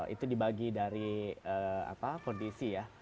itu dibagi dari kondisi ya